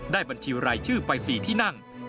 ได้บัญชีวรายชื่อไปสี่ที่นั่ง